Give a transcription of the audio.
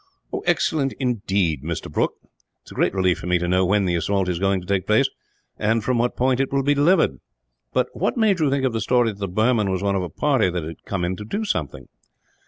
"Excellent indeed, Mr. Brooke. It is a great relief to me to know when the assault is going to take place, and from what point it will be delivered. But what made you think of the story that the Burman was one of a party that had come in to do something?"